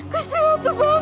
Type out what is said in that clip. kusti ratu bangun